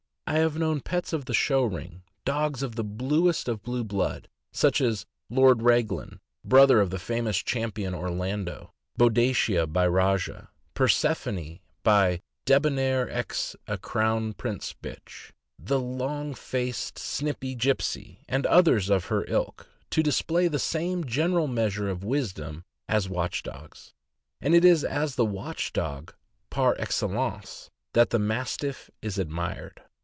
I have known pets of the show ring, dogs of the bluest of blue blood, such as Lord Raglan (brother to the famous Champion Orlando), Boadicea (by Rajah), Persephone (by Debonair ex a Crown Prince bitch), the long faced, snipy Gipsey, and others of her ilk, to display the same general measure of wisdom as watch dogs; and it is as the watch dog par excellence that the Mastiff is admired.